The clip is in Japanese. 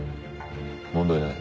問題ない。